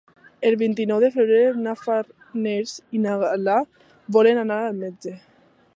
El vint-i-nou de febrer na Farners i na Gal·la volen anar al metge.